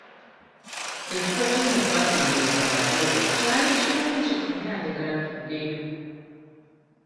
Ekifo kiri mwe twasembereza abagole kyali kirungi era njagala tuddeyo.